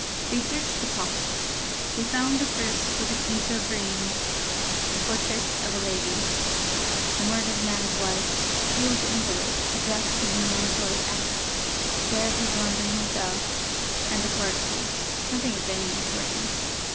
They searched the pockets. They found a purse with a few sovereigns; the portrait of a lady the murdered man's wife a sealed envelope addressed to Hugh Mountjoy, Esq, care of his London hotel; and a card case: nothing of any importance.